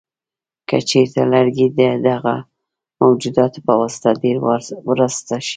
که چېرته لرګي د دغه موجوداتو په واسطه ډېر وراسته شي.